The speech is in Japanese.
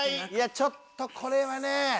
ちょっとこれはね。